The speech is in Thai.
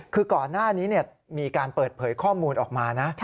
คือก่อนหน้านี้มีการเปิดเผยข้อมูลออกมานะ